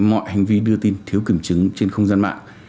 mọi hành vi đưa tin thiếu kiểm chứng trên không gian mạng